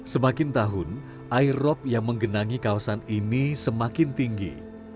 semakin tahun air rop yang menggenangi kawasan ini semakin tinggi